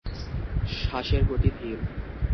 শ্বাসের গতি ধীর।